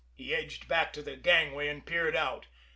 He edged back to the gangway and peered out.